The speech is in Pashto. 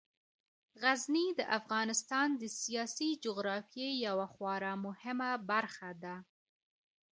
غزني د افغانستان د سیاسي جغرافیې یوه خورا مهمه برخه ده.